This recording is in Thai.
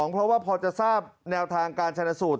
เพราะว่าพอจะทราบแนวทางการชนะสูตร